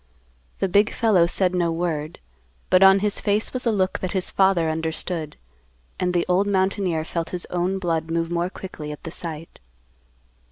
The big fellow said no word, but on his face was a look that his father understood, and the old mountaineer felt his own blood move more quickly at the sight.